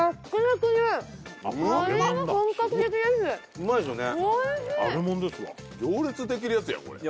うまいですよね。